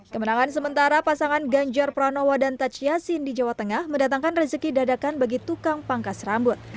kemenangan sementara pasangan ganjar pranowo dan taj yassin di jawa tengah mendatangkan rezeki dadakan bagi tukang pangkas rambut